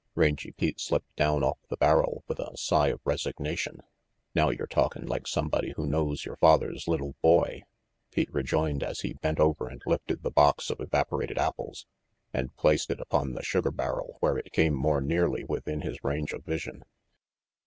Rangy Pete slipped down off the barrel with a sigh of resignation. "Now you're talkin' like somebody who knows your father's little boy," Pete rejoined as he bent over and lifted the box of evaporated apples and placed it upon the sugar barrel where it came more nearly within his range of vision.